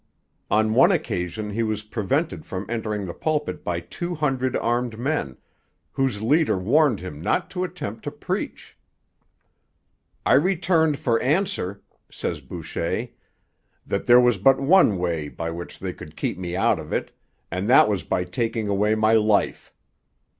On one occasion he was prevented from entering the pulpit by two hundred armed men, whose leader warned him not to attempt to preach. 'I returned for answer,' says Boucher, 'that there was but one way by which they could keep me out of it, and that was by taking away my life.